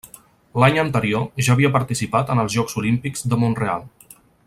L'any anterior ja havia participat en els Jocs Olímpics de Mont-real.